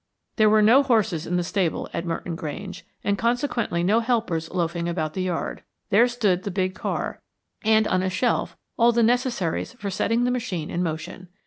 There were no horses in the stable at Merton Grange, and consequently no helpers loafing about the yard. There stood the big car, and on a shelf all the necessaries for setting the machine in motion.